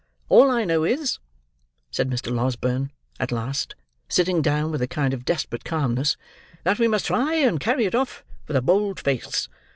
"All I know is," said Mr. Losberne, at last: sitting down with a kind of desperate calmness, "that we must try and carry it off with a bold face.